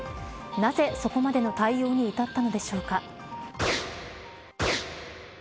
なぜ、そこまでの対応に至ったのでしょうか。